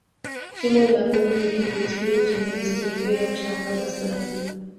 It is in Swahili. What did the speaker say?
shimo la mungu ni kivutio chenye historia ya kushangaza sana